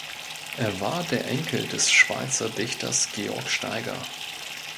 Er war der Enkel des Schweizer Dichters Georg Steiger.